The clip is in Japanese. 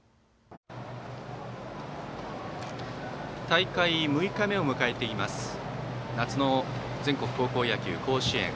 大会６日目を迎えています夏の全国高校野球甲子園。